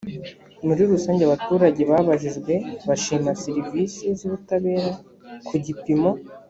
muri rusange abaturage babajijwe bashima serivisi z ubutabera ku gipimo